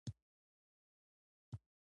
مخکې له مخکې باید کلک هوډ ولري.